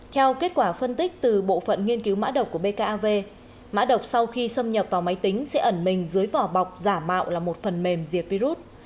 theo kết quả phân tích từ bộ phận nghiên cứu mã độc của bkav mã độc sau khi xâm nhập vào máy tính sẽ ẩn mình dưới vỏ bọc giả mạo là một phần mềm diệt virus